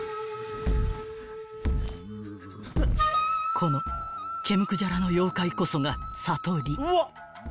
［この毛むくじゃらの妖怪こそがさとり］